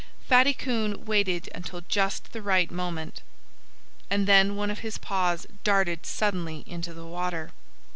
Fatty Coon waited until just the right moment. And then one of his paws darted suddenly into the water.